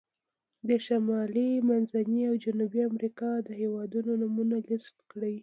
د شمالي، منځني او جنوبي امریکا د هېوادونو نومونه لیست کړئ.